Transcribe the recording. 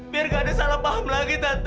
biar nggak ada salah paham lagi tante